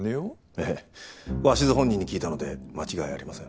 ええ鷲津本人に聞いたので間違いありません。